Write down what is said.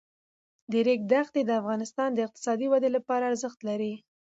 د ریګ دښتې د افغانستان د اقتصادي ودې لپاره ارزښت لري.